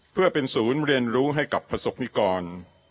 เพื่อเป็นศูนย์เรียนรู้ให้กับประสบนิกร